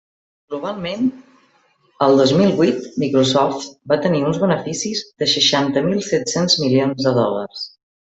Globalment, el dos mil vuit Microsoft va tenir uns beneficis de seixanta mil set-cents milions de dòlars.